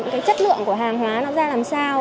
cái chất lượng của hàng hóa nó ra làm sao